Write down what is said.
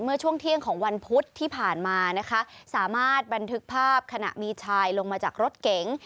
เมื่อช่วงเที่ยงของวันพุธที่ผ่านมานะคะสามารถบันทึกภาพขณะมีชายลงมาจากรถเก๋ง